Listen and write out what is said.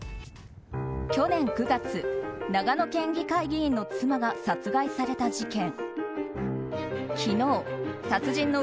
去年９月、長野県議会議員の妻が殺害された事件。